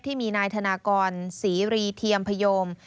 ที่มีนายธนากรศรีรีเทียมพยม